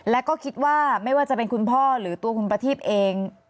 แล้วก็คิดว่าไม่ว่าจะเป็นคุณพ่อหรือตัวคุณประทีพเอง